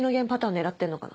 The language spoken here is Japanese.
狙ってんのかな？